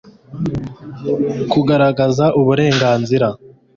kugaragaza uburenganzira